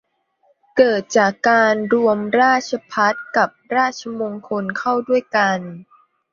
เกิดจากการรวมราชภัฏกับราชมงคลเข้าด้วยกัน